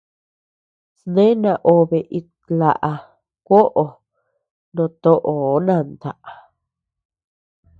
Sne naobe it laʼa kuoʼo no toʼo nanta.